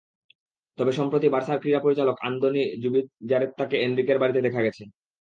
তবে সম্প্রতি বার্সার ক্রীড়া পরিচালক আন্দোনি জুবিজারেত্তাকে এনরিকের বাড়িতে দেখা গেছে।